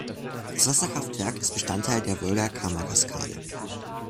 Das Wasserkraftwerk ist Bestandteil der Wolga-Kama-Kaskade.